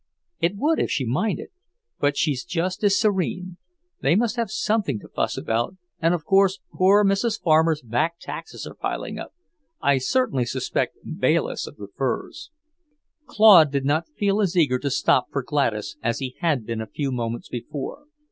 "It would, if she minded. But she's just as serene! They must have something to fuss about, and of course poor Mrs. Farmer's back taxes are piling up. I certainly suspect Bayliss of the furs." Claude did not feel as eager to stop for Gladys as he had been a few moments before.